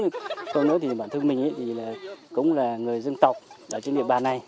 còn nữa thì bản thân mình thì cũng là người dân tộc ở trên địa bàn này